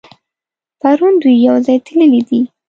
پرون دوی يوځای تللي دي.